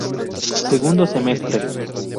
Segundo semestre.